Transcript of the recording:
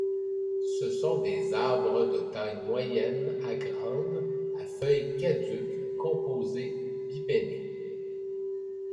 Ce sont des arbres de taille moyenne à grande, à feuilles caduques, composées bipennées.